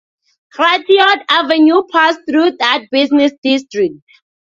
Gratiot Avenue passed through that business district.